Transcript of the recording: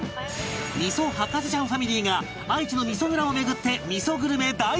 味噌博士ちゃんファミリーが愛知の味噌蔵を巡って味噌グルメ大調査！